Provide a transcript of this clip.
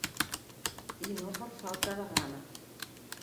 I no per falta de ganes.